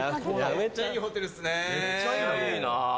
めっちゃいいな。